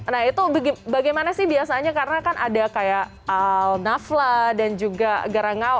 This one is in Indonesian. nah itu bagaimana sih biasanya karena kan ada kayak al nafla dan juga garangao